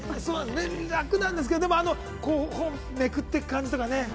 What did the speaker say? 楽なんですけど、でも、あのめくっていく感じとかね。